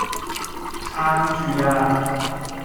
撐住呀